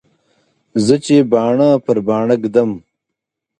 زه چې باڼه پر باڼه ږدم.